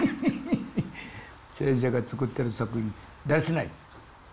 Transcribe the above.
先生が作ってる作品だらしない。